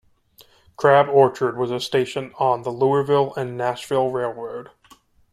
Crab Orchard was a station on the Louisville and Nashville Railroad.